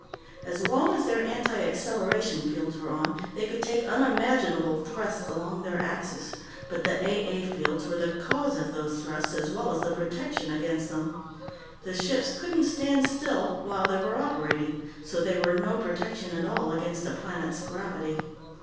As long as their antiacceleration fields were on, they could take unimaginable thrusts along their axes, but the A A fields were the cause of those thrusts as well as the protection against them. The ships couldn't stand still while they were operating, so they were no protection at all against a planet's gravity.